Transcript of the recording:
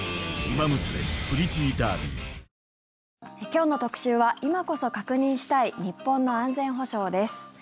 今日の特集は今こそ確認したい日本の安全保障です。